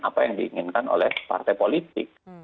apa yang diinginkan oleh partai politik